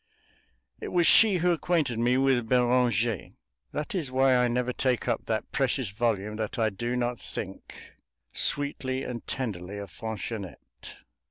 It was she who acquainted me with Beranger; that is why I never take up that precious volume that I do not think, sweetly and tenderly, of Fanchonette.